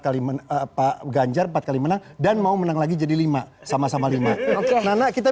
kali menang pak ganjar empat kali menang dan mau menang lagi jadi lima sama sama lima oke nana kita